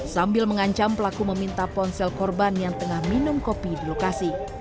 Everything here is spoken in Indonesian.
sambil mengancam pelaku meminta ponsel korban yang tengah minum kopi di lokasi